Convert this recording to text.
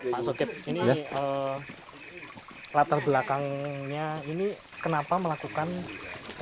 pak sokip ini latar belakangnya ini kenapa melakukan revolusi